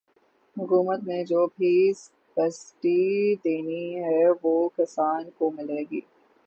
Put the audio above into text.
حکومت نے جو بھی سبسڈی دینی ہے وہ کسان کو ملے گی